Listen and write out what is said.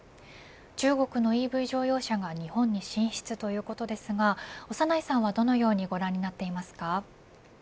中国のＥＶ乗用車が日本に進出ということですが長内さんはどのようにご覧になっていますか。